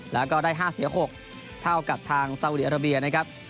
แล้วก็ได้๕เสีย๖เท่ากับทางซาอุดีอาราเบียนะครับ